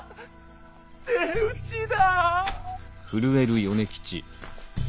手討ちだ。